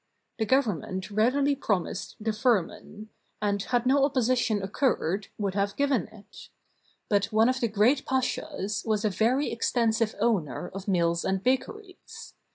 The Government readily promised the firman; and, had no opposition occurred, would have given it. But one of the great pashas was a very extensive owner of mills and bakeries.